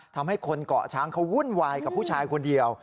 ทำให้คนเกาะช้างเขาวุ่นวายกับผู้ชายคนเดียว